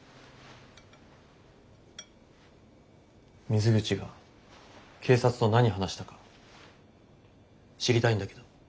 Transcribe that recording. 水口が警察と何話したか知りたいんだけど。